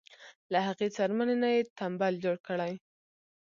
له هغې څرمنې نه یې تمبل جوړ کړی.